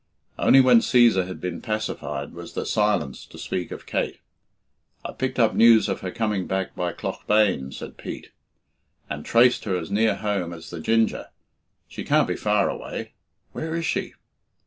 Only when Cæsar had been pacified was there silence to speak of Kate. "I picked up news of her coming back by Claughbane," said Pete, "and traced her as near home as the 'Ginger.' She can't be far away. Where is she?"